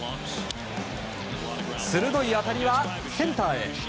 鋭い当たりはセンターへ。